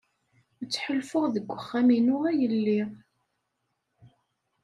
Ttḥulfuɣ deg uxxam-inu ay lliɣ.